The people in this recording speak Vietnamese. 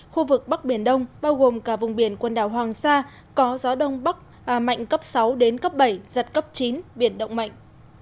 khu vực bắc biển đông bao gồm cả vùng biển quần đảo hoàng sa có gió đông bắc mạnh cấp sáu đến cấp bảy giật cấp chín biển động mạnh